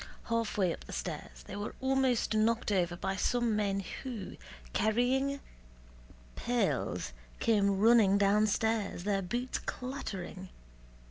Halfway up the stairs they were almost knocked over by some men who, carrying pails, came running downstairs, their boots clattering.